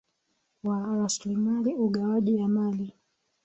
wa raslimali ugawaji ya mali